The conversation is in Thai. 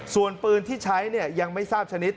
ส่วนปืนที่ใช้ยังไม่ทราบชนิด